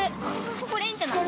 これいいんじゃない？